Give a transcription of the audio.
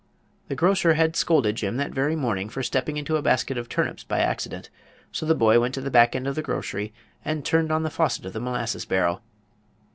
The grocer had scolded Jim that very morning for stepping into a basket of turnips by accident. So the boy went to the back end of the grocery and turned on the faucet of the molasses barrel.